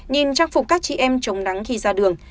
nhìn trang phục các chị em chống nắng khi ra đường